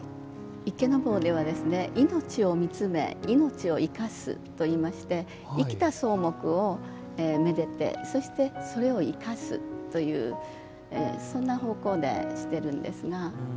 池坊では命を見つめ命を生かすといいまして生きた草木をめでてそれを生かすというそんな方向でしているんですが。